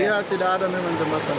iya tidak ada memang jembatan